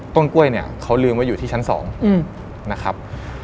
ต้นกล้วยเนี่ยเขาลืมไว้อยู่ที่ชั้น๒นะครับ